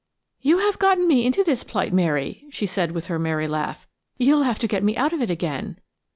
"You have got me into this plight, Mary," she said, with her merry laugh; "you'll have to get me out of it again."